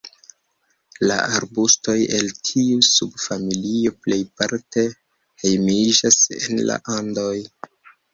La arbustoj el tiu subfamilio plejparte hejmiĝas en la Andoj.